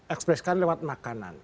ekspresikan lewat makanan